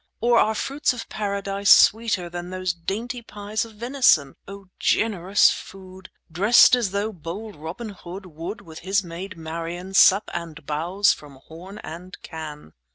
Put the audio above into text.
Or are fruits of Paradise Sweeter than those dainty pies Of venison? O generous food! Drest as though bold Robin Hood 10 Would, with his maid Marian, Sup and bowse from horn and can.